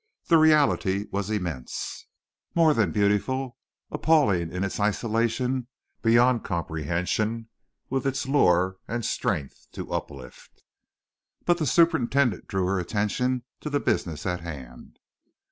The reality was immense, more than beautiful, appalling in its isolation, beyond comprehension with its lure and strength to uplift. But the superintendent drew her attention to the business at hand.